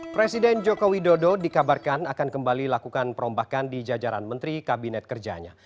presiden joko widodo dikabarkan akan kembali lakukan perombakan di jajaran menteri kabinet kerjanya